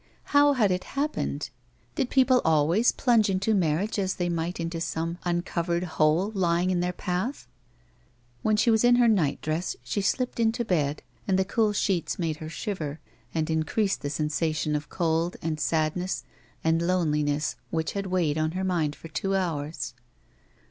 How had it happened 1 Did people always plunge into marriage as they might into some uncovered hole lying in their path ? When she was in her night dress she slipped into bed, and the cool sheets made her shiver, and increased the sensation of cold, and sadness and loneliness which had weighed on her mind for two hours.